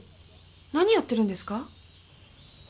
何やってるんですか？